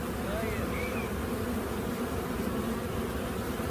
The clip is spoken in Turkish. Hayııır!